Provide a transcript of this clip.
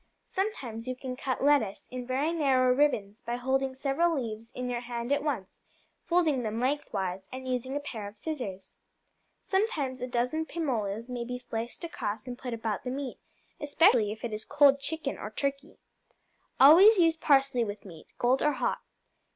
Sometimes you can cut lettuce in very narrow ribbons by holding several leaves in your hand at once, folding them lengthwise, and using a pair of scissors. Sometimes a dozen pimolas may be sliced across and put about the meat, especially if it is cold chicken or turkey. Always use parsley with meat, cold or hot.